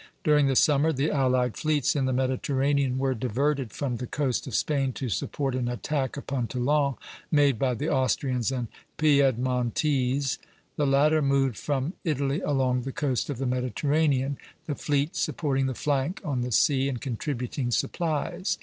During the summer the allied fleets in the Mediterranean were diverted from the coast of Spain to support an attack upon Toulon made by the Austrians and Piedmontese. The latter moved from Italy along the coast of the Mediterranean, the fleet supporting the flank on the sea, and contributing supplies.